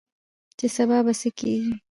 چې سبا به څه کيږي؟